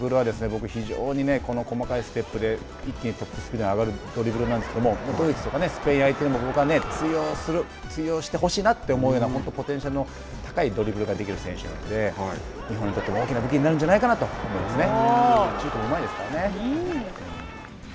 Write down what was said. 僕非常に、この細かいステップで一気にトップスピードに上がるドリブルなんですけれどもドイツとかスペイン相手にも通用してほしいと思うような本当ポテンシャルの高いドリブルだと思うので日本にとっても大きな武器になるんじゃないかなと思いますね。